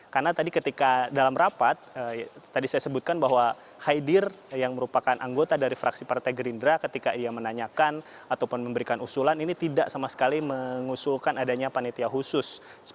karena tadi ketika dalam rapat tadi saya sebutkan bahwa haidir yang merupakan anggota dari fraksi partai gerindra ketika ia menanyakan ataupun memberikan usulan ini tidak sama sekali mengusulkan adanya panitia khusus